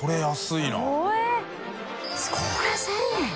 えぇこれ１０００円？